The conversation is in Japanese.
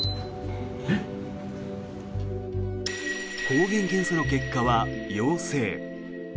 抗原検査の結果は陽性。